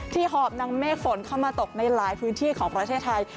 หอบนำเมฆฝนเข้ามาตกในหลายพื้นที่ของประเทศไทย